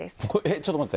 ちょっと待って。